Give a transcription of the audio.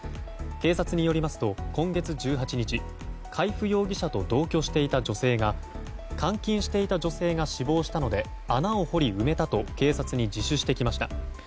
警察によりますと、今月１８日海部容疑者と同居していた女性が監禁していた女性が死亡したので穴を掘り埋めたと警察に自首してきました。